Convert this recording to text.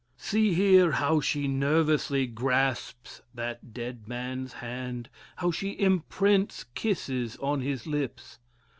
See her how she nervously grasps that dead man's hand, how she imprints kisses on his lips!